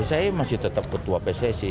saya masih tetap ketua pssi